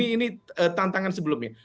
ini tantangan sebelumnya